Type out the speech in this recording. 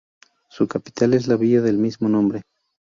Su capital es la villa del mismo nombre.